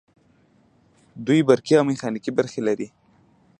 دوی برقي او میخانیکي برخې لري.